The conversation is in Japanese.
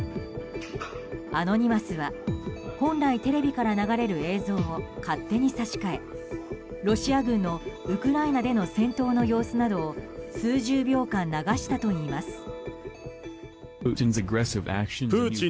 アノニマスは本来テレビから流れる映像を勝手に差し替えロシア軍のウクライナでの戦闘の様子などを数十秒間流したといいます。